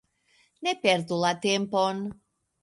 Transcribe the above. Ne perdu la tempon!